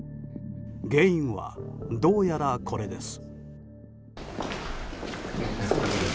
原因はどうやらこれです。